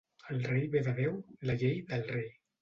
El rei ve de Déu; la llei, del rei.